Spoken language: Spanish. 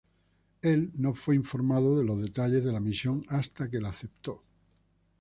Él no fue informado de los detalles de la misión hasta que la aceptó.